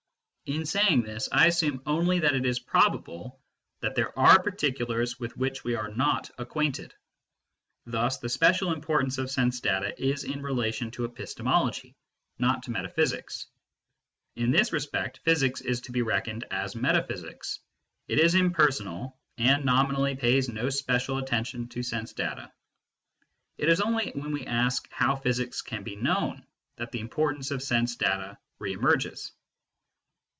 In saying this, I assume only that it is probable that there are particulars with which we are not acquainted. Thus the special importance of sense data is in relation to epistemology, not to metaphysics. In this respect, physics is to be reckoned as metaphysics : it is impersonal, and nominally pays no special attention to sense data. It is only when we ask how physics can be known that the importance of sense data re emerges.